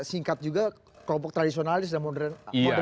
bisa disingkat juga kelompok tradisionalis dan modernis seperti itu ya pak